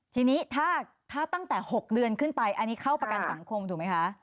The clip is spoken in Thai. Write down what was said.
ทีนี้ถ้าตั้งแต่๖เดือนขึ้นไปอันนี้เข้าประกันสังคมถูกไหมคะ